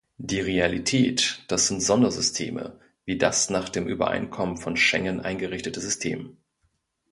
Die Realität, das sind Sondersysteme wie das nach dem Übereinkommen von Schengen eingerichtete System.